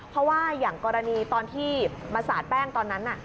เพราะว่าอย่างกรณีตอนที่มาสาดแป้งตอนนั้น